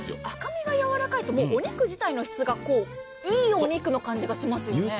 赤身がやわらかいと、お肉自体の質がいいお肉の感じがしますよね。